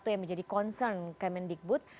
yang menjadi concern kemen digbud